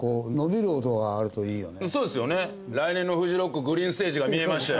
来年のフジロックグリーンステージが見えましたよ。